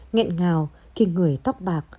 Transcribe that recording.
ngẹn ngào khi người tóc bạc